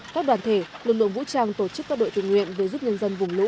các đoàn thể lực lượng vũ trang tổ chức các đội tự nguyện về giúp nhân dân vùng lũ